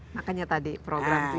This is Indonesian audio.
makanya tadi program tujuh t